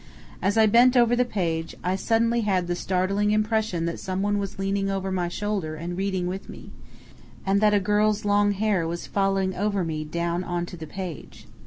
As I bent over the page, I suddenly had the startling impression that someone was leaning over my shoulder and reading with me, and that a girl's long hair was falling over me down on to the page.